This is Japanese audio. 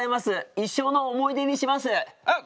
一生の思い出にします。